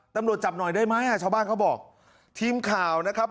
ตำรวจจับหน่อยได้ไหมอ่ะชาวบ้านเขาบอกทีมข่าวนะครับ